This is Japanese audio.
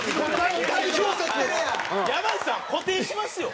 山内さん固定しますよ。